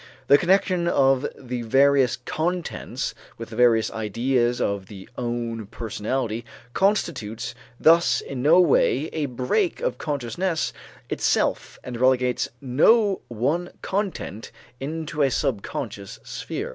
The connection of the various contents with the various ideas of the own personality constitutes thus in no way a break of consciousness itself and relegates no one content into a subconscious sphere.